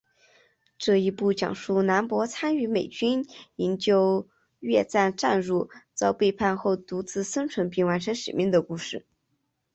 这一部讲述兰博参与美军营救越战战俘遭背叛后独自生存并完成使命的故事。